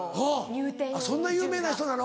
うんそんな有名な人なの？